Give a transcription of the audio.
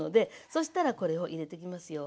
そしたらこれを入れてきますよ。